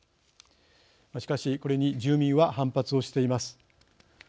しかし、これに住民は反発をしています。